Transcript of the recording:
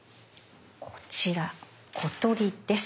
こちら「小鳥」です。